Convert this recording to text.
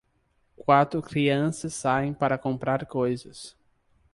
Quatro crianças saem para comprar coisas